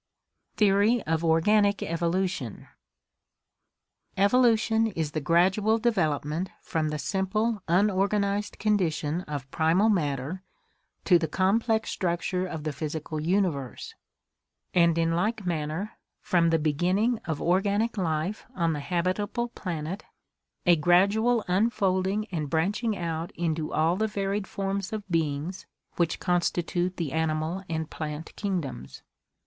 Theory of Organic Evolution Evolution is the gradual development from the simple unorgan ized condition of primal matter to the complex structure of the physical universe; and in like manner, from the beginning of organic life on the habitable planet, a gradual unfolding and branching out into all the varied forms of beings which constitute the animal and plant kingdoms.